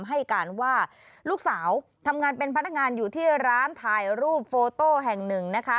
ให้การว่าลูกสาวทำงานเป็นพนักงานอยู่ที่ร้านถ่ายรูปโฟโต้แห่งหนึ่งนะคะ